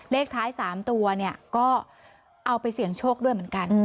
เลขท้าย๓ตัวเนี่ยก็เอาไปเสี่ยงโชคด้วยเหมือนกัน